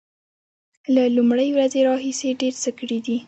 له لومړۍ ورځې راهیسې ډیر څه کړي دي